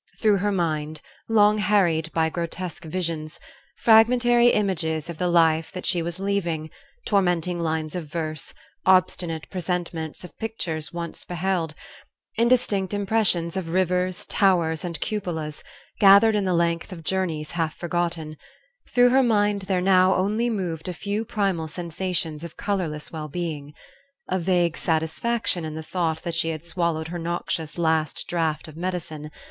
Through her mind, long harried by grotesque visions, fragmentary images of the life that she was leaving, tormenting lines of verse, obstinate presentments of pictures once beheld, indistinct impressions of rivers, towers, and cupolas, gathered in the length of journeys half forgotten through her mind there now only moved a few primal sensations of colorless well being; a vague satisfaction in the thought that she had swallowed her noxious last draught of medicine...